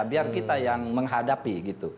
biar kita yang menghadapi